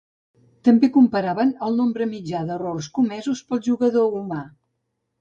També comparaven el nombre mitjà d'errors comesos pel jugador humà.